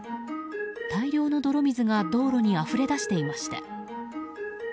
大量の泥水が道路にあふれ出していました。